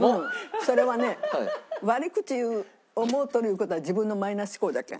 それはね悪口思うとるいう事は自分のマイナス思考だけん。